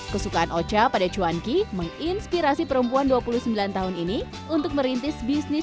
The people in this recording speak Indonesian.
kesukaan ocha pada cuanki menginspirasi perempuan dua puluh sembilan tahun ini untuk merintis bisnis